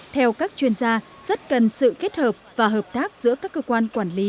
theo các chuyên gia rất cần sự kết hợp và hợp tác giữa các cơ quan quản lý